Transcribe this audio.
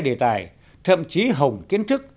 hay đề tài thậm chí hồng kiến thức